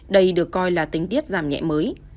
đây được coi là tính tiết giảm nhẹ mới